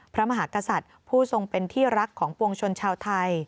พระมหากษัตริย์ผู้ทรงเป็นที่รักของปวงชนชาวไทย